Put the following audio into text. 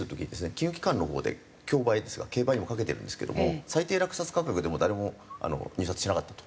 金融機関のほうで競売競売にもかけてるんですけども最低落札価格でも誰も入札しなかったと。